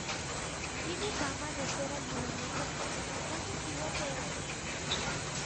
Tiene fama de ser el monumento cristiano más antiguo de Occidente.